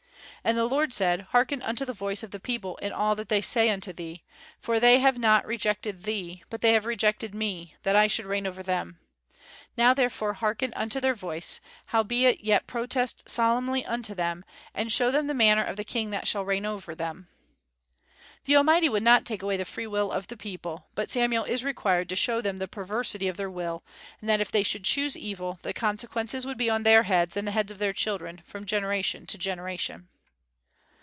"And the Lord said, hearken unto the voice of the people in all that they say unto thee, for they have not rejected thee, but they have rejected me, that I should reign over them. Now therefore hearken unto their voice; howbeit yet protest solemnly unto them, and show them the manner of the king that shall reign over them." The Almighty would not take away the free will of the people; but Samuel is required to show them the perversity of their will, and that if they should choose evil the consequences would be on their heads and the heads of their children, from generation to generation.